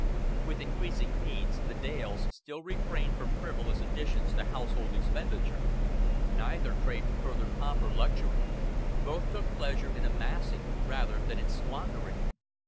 With increasing means the Dales still refrained from frivolous additions to household expenditure. Neither craved for further pomp or luxury; both took pleasure in amassing rather than in squandering.